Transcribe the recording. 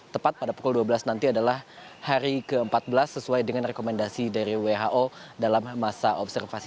tepat pada pukul dua belas nanti adalah hari ke empat belas sesuai dengan rekomendasi dari who dalam masa observasi